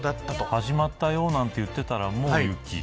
始まったよなんて言ってたらもう雪。